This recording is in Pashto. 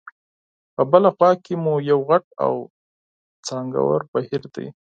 په بله خوا کې مو یو غټ او څانګور بهیر دی.